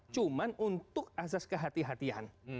cuma untuk asas kehatian